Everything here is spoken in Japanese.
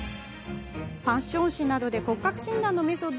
ファッション誌などで骨格診断のメソッド